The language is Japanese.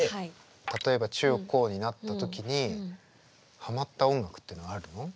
例えば中高になった時にハマった音楽っていうのはあるの？